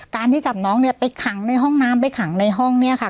ที่จับน้องเนี่ยไปขังในห้องน้ำไปขังในห้องเนี่ยค่ะ